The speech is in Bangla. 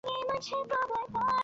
হ্যাঁ, নিশ্চয়।